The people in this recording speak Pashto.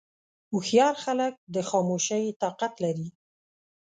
هوښیار خلک د خاموشۍ طاقت لري.